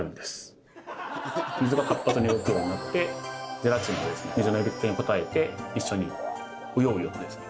水が活発に動くようになってゼラチンも水の呼びかけに応えて一緒にうようよとですね